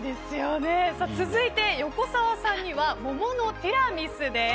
続いて、横澤さんには桃のティラミスです。